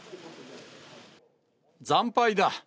惨敗だ。